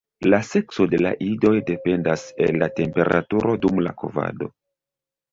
La sekso de la idoj dependas el la temperaturo dum la kovado.